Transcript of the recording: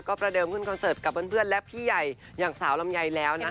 ประเดิมขึ้นคอนเสิร์ตกับเพื่อนและพี่ใหญ่อย่างสาวลำไยแล้วนะคะ